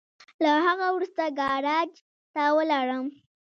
له هغه وروسته ګاراج ته ولاړم.